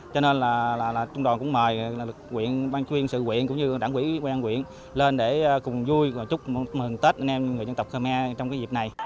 cho nên là trung đoàn cũng mời quyện ban chuyên sự quyện cũng như đảng quỹ quan quyện lên để cùng vui và chúc mừng tết anh em người dân tộc khơ me trong cái dịp này